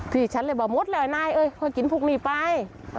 ที่ฉันเลยบอกหมดแล้วนายเอ้ยค่อยกินพวกนี้ไป